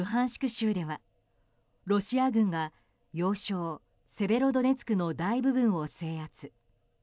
州ではロシア軍が要衝セベロドネツクの大部分を制圧。